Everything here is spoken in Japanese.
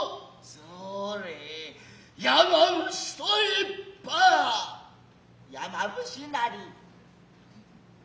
それ山伏と言つぱ山伏なり。